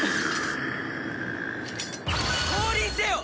降臨せよ！